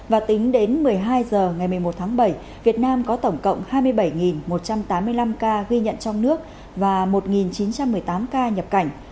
và tính đến một mươi hai h ngày một mươi một tháng bảy việt nam có tổng cộng hai mươi bảy một trăm tám mươi năm ca ghi nhận trong nước và một chín trăm một mươi tám ca nhập cảnh